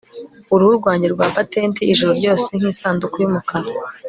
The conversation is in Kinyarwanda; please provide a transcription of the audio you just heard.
uruhu rwanjye rwa patenti ijoro ryose nkisanduku yumukara